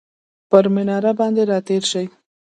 پر مناره باندې راتیرشي،